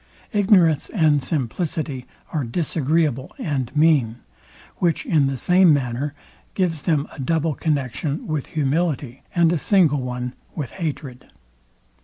Ignorance and simplicity are disagreeable and mean, which in the same manner gives them a double connexion with humility, and a single one with hatred.